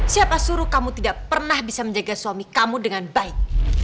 siapa suruh kamu tidak pernah bisa menjaga suami kamu dengan baik